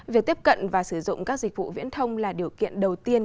việc tiếp cận và sử dụng các dịch vụ viễn thông là điều kiện đầu tiên